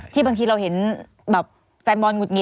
ที่บางทีเราเห็นแฟนบอลหงุดหงิด